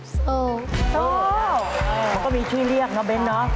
โซ่โซ่โซ่ก็มีชื่อเรียกนะเบนเนอะ